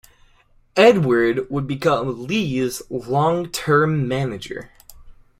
Edwards would become Lee's long-term manager.